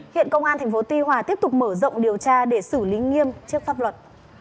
hiện công an tp tuy hòa tiếp tục mở rộng điều tra để xử lý nghiêm trước pháp luật